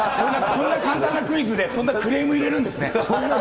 こんな簡単なクイズでクレーム入れるんですね。